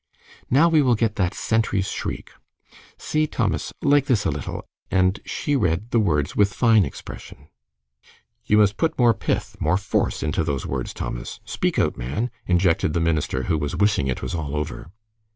"Now we will get that 'sentries shriek.' See, Thomas, like this a little," and she read the words with fine expression. "You must put more pith, more force, into those words, Thomas. Speak out, man!" interjected the minister, who was wishing it was all over.